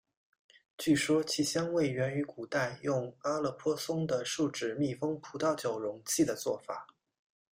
据说其香味源于古代用阿勒颇松的树脂密封葡萄酒容器的做法。